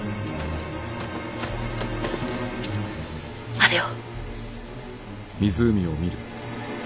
あれを。